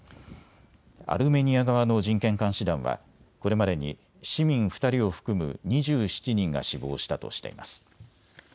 アルメニア側の人権監視団はこれまでに市民２人を含む２７人が死亡したとしています。